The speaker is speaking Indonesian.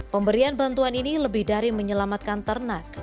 pemberian bantuan ini lebih dari menyelamatkan ternak